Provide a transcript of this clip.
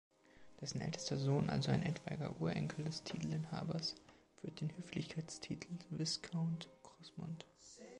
Dessen ältester Sohn, also ein etwaiger Urenkel des Titelinhabers, führt den Höflichkeitstitel "Viscount Grosmont".